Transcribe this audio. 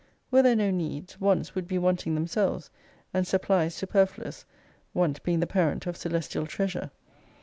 Were there no needs, wants would be wanting themselves, and supplies superfluous : want being the parent of Celestial Treasure.